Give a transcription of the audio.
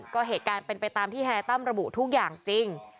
ก็เหตุการณ์เป็นไปตามที่ธนายตั้มระบุทุกอย่างจริง